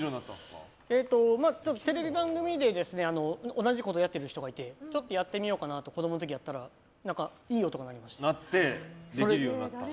テレビ番組で同じことをやってる人がいてちょっとやってみようかなって子供の時にやったらいい音が鳴りました。